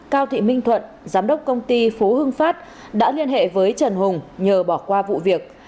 cao thị minh thuận giám đốc công ty phú hưng phát đã liên hệ với trần hùng nhờ bỏ qua vụ việc